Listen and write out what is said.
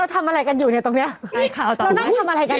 ทำอะไรกันอยู่เนี่ยตรงเนี้ยเรานั่งทำอะไรกัน